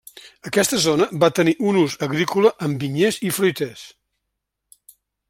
Aquesta zona va tenir un ús agrícola amb vinyers i fruiters.